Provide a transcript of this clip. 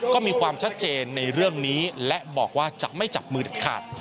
ก็มีความชัดเจนในเรื่องนี้และบอกว่าจะไม่จับมือเด็ดขาด